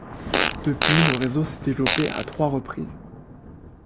Depuis le réseau s'est développé à trois reprises.